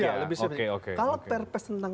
ya lebih spesifik kalau perpes tentang